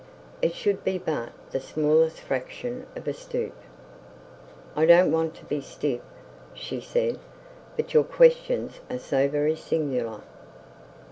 It should be but the smallest fraction of a stoop! 'I don't want to be stiff,' she said, 'but your questions are so very singular.'